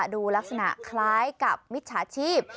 ดูลักษณะคล้ายกับมิจฉาชีพ